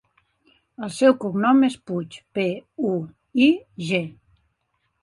El seu cognom és Puig: pe, u, i, ge.